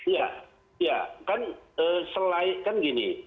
ya kan selain kan gini